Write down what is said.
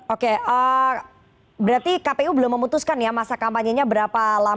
oke berarti kpu belum memutuskan ya masa kampanye nya berapa lama ya masih dikaji